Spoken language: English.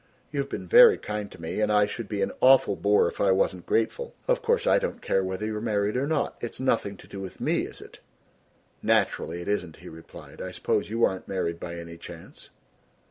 You've been very kind to me and I should be an awful boor if I wasn't grateful. Of course, I don't care whether you're married or not, it's nothing to do with me, is it?" "Naturally it isn't," he replied. "I suppose you aren't married by any chance?"